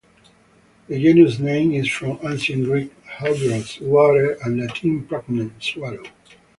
The genus name is from Ancient Greek "hudros", "water", and Latin "progne", "swallow".